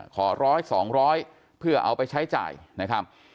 ขอร้อยสองร้อยเพื่อเอาไปใช้จ่ายนะครับ